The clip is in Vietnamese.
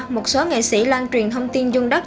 một số nghệ sĩ lan truyền thông tin dung đất